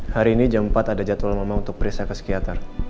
hari ini jam empat ada jadwal mamam untuk perisai ke sekianter